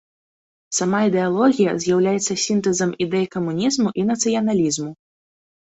Сама ідэалогія з'яўляецца сінтэзам ідэй камунізму і нацыяналізму.